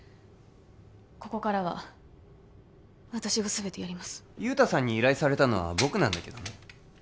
ここからは私が全てやります雄太さんに依頼されたのは僕なんだけどね